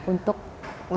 untuk tala semia